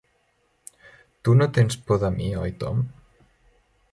Tu no tens por de mi, oi Tom?